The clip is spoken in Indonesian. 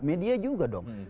media juga dong